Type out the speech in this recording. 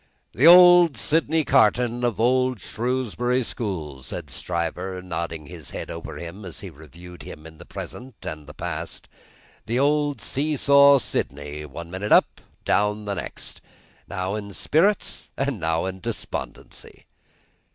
"The old Sydney Carton of old Shrewsbury School," said Stryver, nodding his head over him as he reviewed him in the present and the past, "the old seesaw Sydney. Up one minute and down the next; now in spirits and now in despondency!"